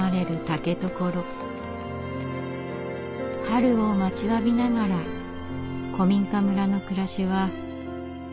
春を待ちわびながら古民家村の暮らしは続いていきます。